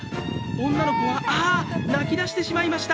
女の子は泣き出してしまいました。